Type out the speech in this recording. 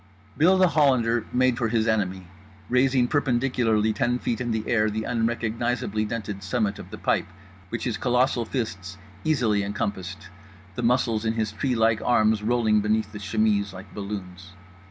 Bill The Hollander made for his enemy, raising perpendicularly ten feet in air the unrecognisably dented summit of the pipe which his colossal fists easily encompassed, the muscles in his treelike arms rolling beneath the chemise like balloons.